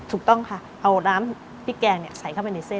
ถูกต้องค่ะเอาน้ำพริกแกงใส่เข้าไปในเส้น